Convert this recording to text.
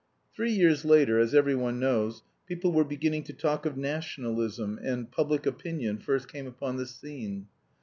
Three years later, as every one knows, people were beginning to talk of nationalism, and "public opinion" first came upon the scene.